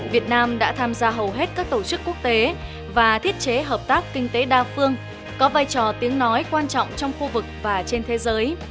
việt nam đã tham gia hầu hết các tổ chức quốc tế và thiết chế hợp tác kinh tế đa phương có vai trò tiếng nói quan trọng trong khu vực và trên thế giới